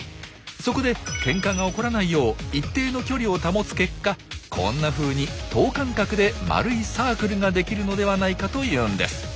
そこでけんかが起こらないよう一定の距離を保つ結果こんなふうに等間隔で丸いサークルができるのではないかというんです。